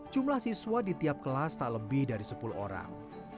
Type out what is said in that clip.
jumlah siswa di tiap kelas tak lebih dari sepuluh orang